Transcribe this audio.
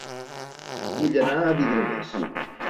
Vull anar a Vidreres